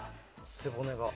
背骨が。